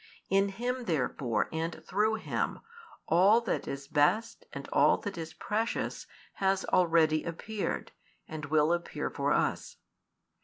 In Him therefore and through Him, all that is best and all that is precious has already appeared, and will appear for us.